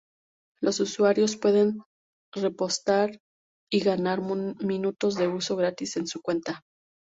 Los usuarios pueden repostar y ganar minutos de uso gratis en su cuenta.